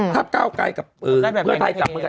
ถ้าก้าวไกลกับเพื่อไทยจับมือกัน